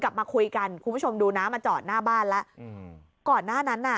กลับมาคุยกันคุณผู้ชมดูนะมาจอดหน้าบ้านแล้วอืมก่อนหน้านั้นน่ะ